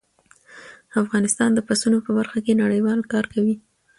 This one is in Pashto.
افغانستان د پسونو په برخه کې نړیوال کار کوي.